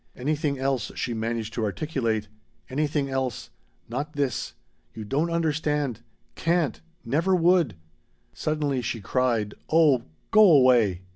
"Anything else," she managed to articulate. "Anything else. Not this. You don't understand. Can't. Never would." Suddenly she cried: "Oh _go away!